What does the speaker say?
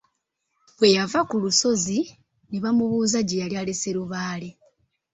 Bwe yava ku lusozi ne bamubuuza gye yali alese Lubaale.